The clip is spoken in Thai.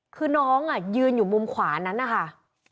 คือน้องยืนอยู่มุมขวานั้นนะคะ